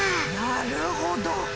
なるほど！